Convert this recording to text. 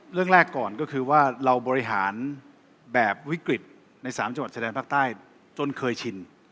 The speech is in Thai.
เรื่องแรกก่อนก็คือว่าเราบริหารแบบวิกฤตใน๓จังหวัดชายแดนภาคใต้จนเคยชิน